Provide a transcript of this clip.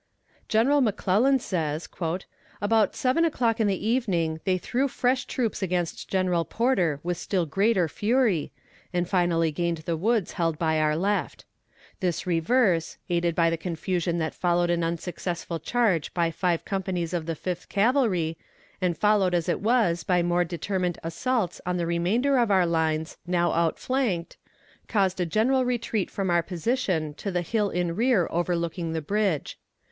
General McClellan says: "About seven o'clock in the evening they threw fresh troops against General Porter with still greater fury, and finally gained the woods held by our left. This reverse, aided by the confusion that followed an unsuccessful charge by five companies of the Fifth Cavalry, and followed as it was by more determined assaults on the remainder of our lines, now outflanked, caused a general retreat from our position to the hill in rear overlooking the bridge.